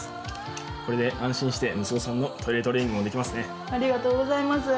これで安心して、息子さんのトイレトレーニングもできますね。